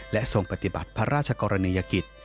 และทรงปฏิบัติพระราชกรณียกิจ